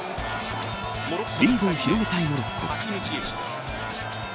リードを広げたいモロコ。